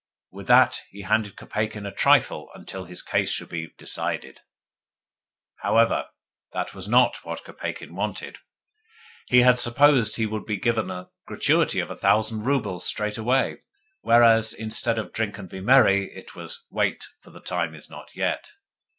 With that he handed Kopeikin a trifle until his case should have been decided. However, that was not what Kopeikin wanted. He had supposed that he would be given a gratuity of a thousand roubles straight away; whereas, instead of 'Drink and be merry,' it was 'Wait, for the time is not yet.